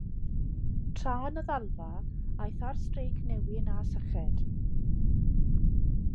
Tra yn y ddalfa, aeth ar streic newyn a syched.